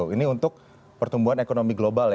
ini untuk pertumbuhan ekonomi global ya